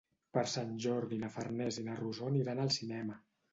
Per Sant Jordi na Farners i na Rosó aniran al cinema.